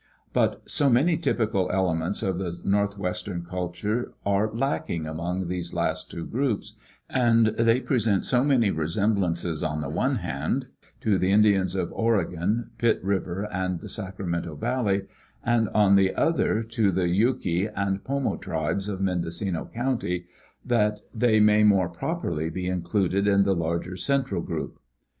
But so many typical elements of the northwestern culture are lacking among these last two groups, and they present so many resemblances on the one hand to the Indians of Oregon, Pit river, and the Sacramento valley, and on 86 University of California Publications. [AM. ARCH. ETH. the other to the Yuki and Porno tribes of Mendocino county, that they may more properly be included in the larger central group.